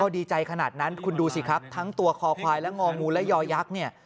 ดีใจขนาดนั้นคุณดูสิครับทั้งตัวคอควายและงองูและยอยักษ์เนี่ย